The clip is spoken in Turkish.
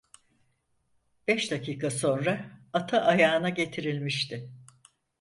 Beş dakika sonra atı ayağına getirilmişti.